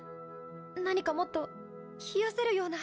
何かもっと冷やせるような。